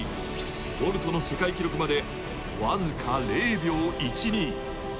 ボルトの世界記録まで僅か０秒１２。